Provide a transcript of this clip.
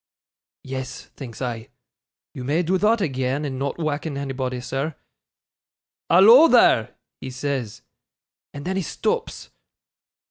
"Yes," thinks I, "you may do thot agean, and not wakken anybody, sir." "Hallo, there," he says, and then he stops.